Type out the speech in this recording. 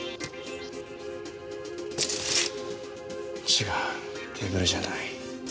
違うテーブルじゃない。